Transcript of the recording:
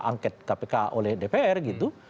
angket kpk oleh dpr gitu